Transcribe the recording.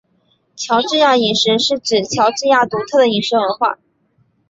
乔治亚饮食是指乔治亚独特的饮食文化。